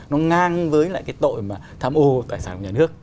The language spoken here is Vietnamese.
nó ngang với lại cái tội mà tham ô tài sản của nhà nước